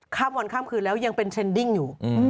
ข้ามวันข้ามคืนแล้วยังเป็นเทรนดิ้งอยู่